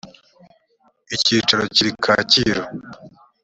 icyicaro kiri kacyiru